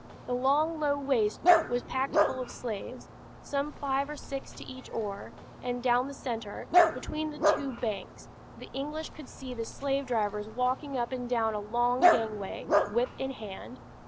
The long low waist was packed full of the slaves, some five or six to each oar, and down the centre, between the two banks, the English could see the slave drivers walking up and down a long gangway, whip in hand.